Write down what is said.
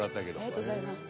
ありがとうございます。